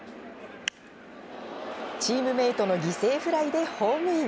チームメートの犠牲フライでホームイン。